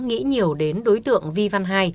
nghĩ nhiều đến đối tượng vi văn hai